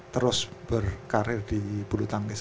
terus berkarir di bulu tangkis